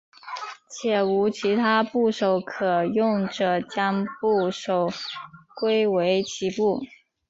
且无其他部首可用者将部首归为齐部。